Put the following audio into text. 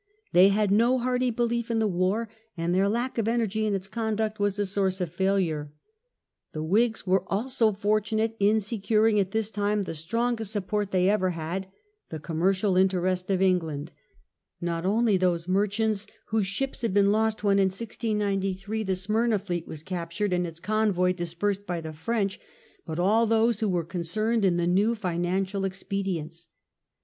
They had no hearty belief in the war, and their lack of energy in its conduct was a source of failure. The Whigs were also fortunate in securing at this time the strongest support they ever had, the commercial interest of England; not only those merchants whose ships had been lost when in 1693 the Smyrna fleet was captured and its convoy dispersed by the French; but all those who were concerned in the new financial expedients.